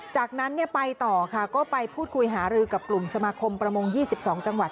จากนั้นไปต่อค่ะก็ไปพูดคุยหารือกับกลุ่มสมาคมประมง๒๒จังหวัด